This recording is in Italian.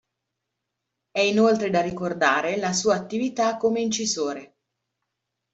È inoltre da ricordare la sua attività come incisore.